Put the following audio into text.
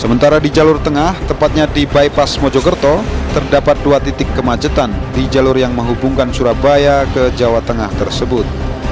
sementara di jalur tengah tepatnya di bypass mojokerto terdapat dua titik kemacetan di jalur yang menghubungkan surabaya ke jawa tengah tersebut